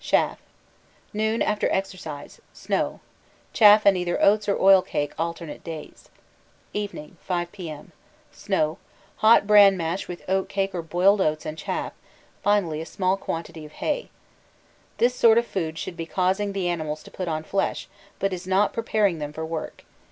Chaff. Noon, after exercise. Snow. Chaff and either oats or oil cake alternate days. Evening, 5 P.M. Snow. Hot bran mash with oil cake or boiled oats and chaff; finally a small quantity of hay. This sort of food should be causing the animals to put on flesh, but is not preparing them for work.